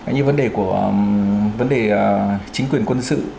như vấn đề của vấn đề chính quyền quân sự